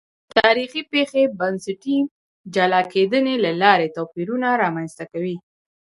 تاریخي پېښې بنسټي جلا کېدنې له لارې توپیرونه رامنځته کوي.